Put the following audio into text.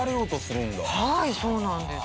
はいそうなんです。